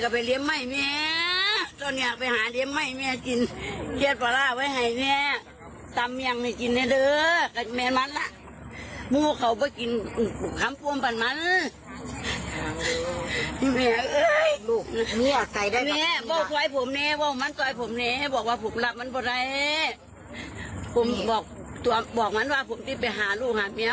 พี่แม่เฮ้ยลูกมีแม่ใจได้ตามทีอย่างไร